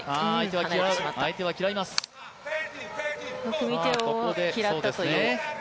組み手を嫌ったという。